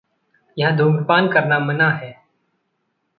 यहाँ धूम्रपान करना मना है।